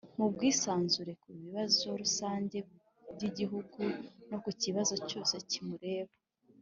mu bwisanzure ku bibazo rusange by'igihugu no ku kibazo cyose kimureba